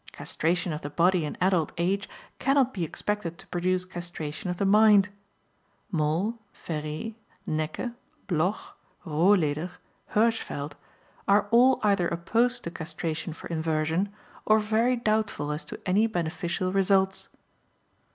Castration of the body in adult age cannot be expected to produce castration of the mind. Moll, Féré, Näcke, Bloch, Rohleder, Hirschfeld, are all either opposed to castration for inversion, or very doubtful as to any beneficial results.